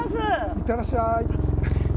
いってらっしゃい！